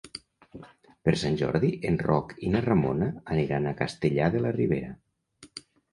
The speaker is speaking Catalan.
Per Sant Jordi en Roc i na Ramona aniran a Castellar de la Ribera.